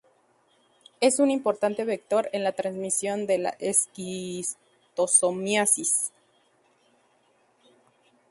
Es un importante vector en la transmisión de la esquistosomiasis.